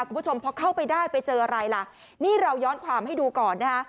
คุณผู้ชมพอเข้าไปได้ไปเจออะไรล่ะนี่เราย้อนความให้ดูก่อนนะฮะ